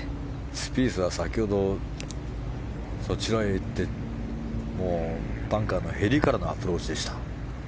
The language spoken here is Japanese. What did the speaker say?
スピースは先ほどそちらへ行ってバンカーのへりからのアプローチでした。